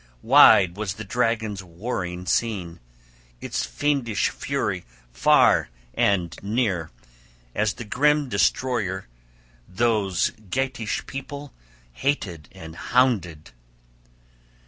Wide was the dragon's warring seen, its fiendish fury far and near, as the grim destroyer those Geatish people hated and hounded.